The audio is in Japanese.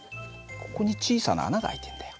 ここに小さな穴が開いてんだよ。